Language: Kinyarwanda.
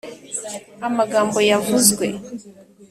amagambo yavuzwe